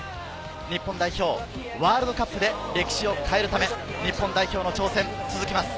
日本代表ワールドカップで歴史を変えるため、日本代表の挑戦が続きます。